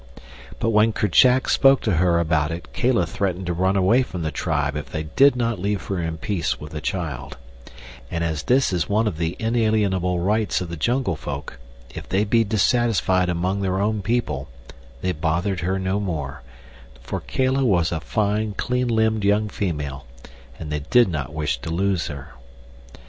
But when Kerchak spoke to her about it Kala threatened to run away from the tribe if they did not leave her in peace with the child; and as this is one of the inalienable rights of the jungle folk, if they be dissatisfied among their own people, they bothered her no more, for Kala was a fine clean limbed young female, and they did not wish to lose her.